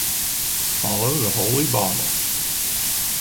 Follow the holy bottle!